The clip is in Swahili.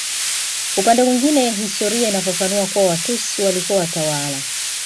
Upande mwingine historia inafafanua kuwa Watusi walikuwa watawala